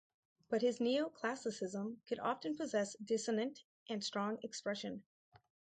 But his neoclassicism could often possess dissonant and strong expression.